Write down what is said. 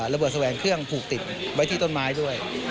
แสวงเครื่องผูกติดไว้ที่ต้นไม้ด้วย